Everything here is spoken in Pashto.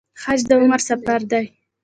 حج د عمر سفر دی